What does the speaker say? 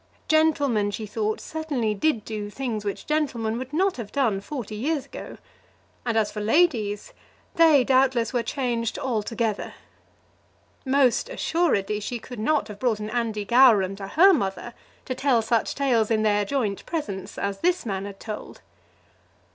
Gentlemen, she thought, certainly did do things which gentlemen would not have done forty years ago; and as for ladies, they, doubtless, were changed altogether. Most assuredly she could not have brought an Andy Gowran to her mother to tell such tales in their joint presence as this man had told!